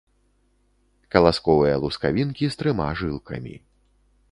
Каласковыя лускавінкі з трыма жылкамі.